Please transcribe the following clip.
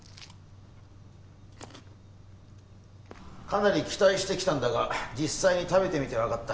かなり期待してきたんだが実際に食べてみてわかった。